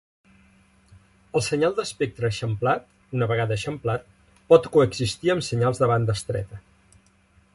El senyal d'espectre eixamplat, una vegada eixamplat, pot coexistir amb senyals de banda estreta.